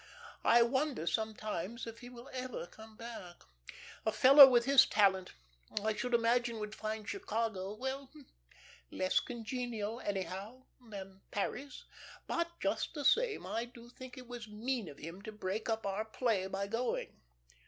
I wonder sometimes if he will ever come back. A fellow with his talent, I should imagine would find Chicago well, less congenial, anyhow, than Paris. But, just the same, I do think it was mean of him to break up our play by going.